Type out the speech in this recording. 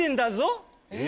え？